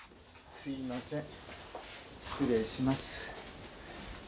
すいません失礼します。